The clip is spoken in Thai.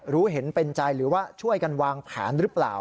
รู้เห็นเป็นใจหรือว่าช่วยกันวางแผนหรือเปล่า